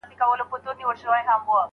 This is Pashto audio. بيسواده ښځه د مسايلو قوي درک نلري.